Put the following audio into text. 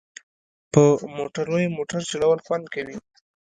په موټروی موټر چلول خوند کوي